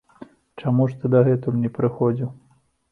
Чаму ж ты дагэтуль не прыходзіў?